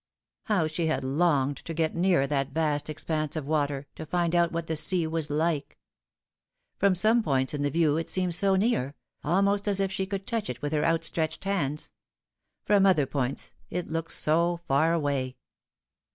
How she had longed to get nearer that vast expanse of water, to find out what the sea was like ! From some points in the view it seemed so near, almost as if she could touch it with her out stretched hands ; from other points it looked so far away.